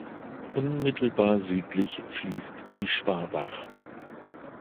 Unmittelbar südlich fließt die Schwabach.